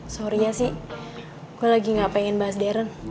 sorry ya sih gue lagi gak pengen bahas deren